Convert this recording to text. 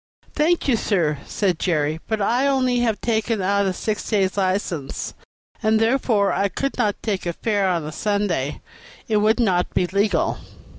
"Thank you, sir," said Jerry, "but I have only taken out a six days' license,* and therefore I could not take a fare on a Sunday; it would not be legal."